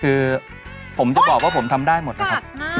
คือผมจะบอกว่าผมทำได้หมดนะครับ